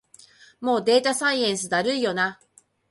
もうデータサイエンスだるいよな